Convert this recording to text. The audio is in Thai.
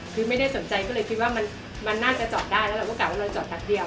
คือไม่ได้สนใจก็เลยคิดว่ามันน่าจะจอดได้แล้วเราก็กลับว่าเราจอดแป๊บเดียว